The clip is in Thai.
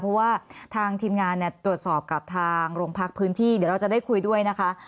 เพราะว่าทางทีมงานตรวจสอบกับทางโรงพักพื้นที่เดี๋ยวเราจะได้คุยด้วยนะคะ